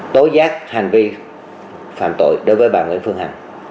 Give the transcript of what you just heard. tối giác hành vi phạm tội đối với bà nguyễn phương hằng